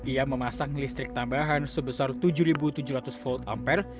ia memasang listrik tambahan sebesar tujuh tujuh ratus volt ampere